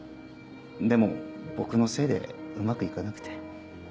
でも僕のせいでうまく行かなくて。